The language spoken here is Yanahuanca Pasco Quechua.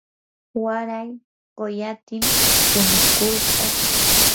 waray quyatim punukushaq.